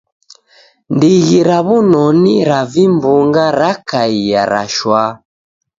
Ndighi ra w'unoni ra vimbunga rakaia ra shwaa